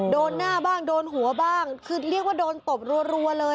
โดนหน้าบ้างโดนหัวบ้างคือเรียกว่าโดนตบรัวเลย